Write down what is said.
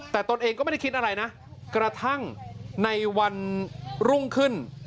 แต่ตนเองก็ไม่ได้คิดอะไรนะกระทั่งในวันรุ่งขึ้น